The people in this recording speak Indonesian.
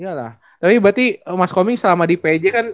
iyalah tapi berarti mas koming selama di pj kan